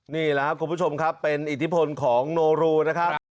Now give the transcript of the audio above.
นี่แหละครับคุณผู้ชมครับเป็นอิทธิพลของโนรูนะครับ